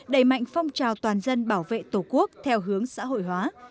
đẩy mạnh phong trào toàn dân bảo vệ tổ quốc theo hướng xã hội hóa